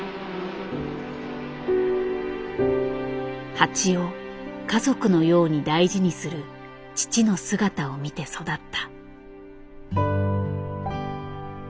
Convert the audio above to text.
蜂を家族のように大事にする父の姿を見て育った。